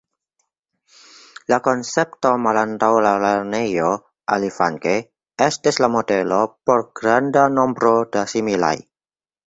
La koncepto malantaŭ la lernejo, aliflanke, estis la modelo por granda nombro da similaj.